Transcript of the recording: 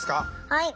はい！